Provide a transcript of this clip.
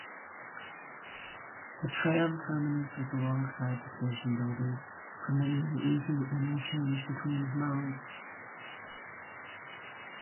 The tram terminus was alongside the station building, permitting an easy interchange between modes.